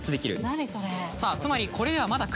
何それ！